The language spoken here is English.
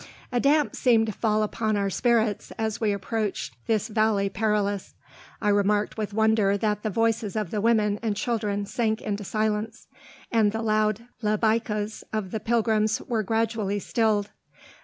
A damp seemed to fall upon our spirits as we approached this Valley Perilous. I remarked with wonder that the voices of the women and children sank into silence, and the loud Labbaykas of the pilgrims were gradually stilled.